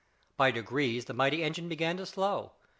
By degrees the mighty engine began to "slow."